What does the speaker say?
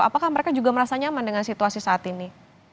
apakah mereka juga merasa nyaman dengan situasi saat ini